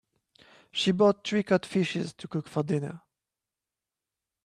She bought three cod fishes to cook for dinner.